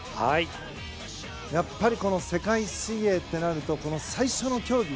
やっぱり世界水泳ってなると最初の競技